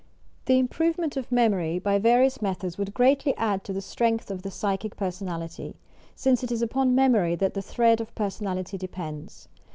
The improvement of memory by various methods would greatly add to the strength of the psychic per sonality, since it is upon memory that the thread of personality depends.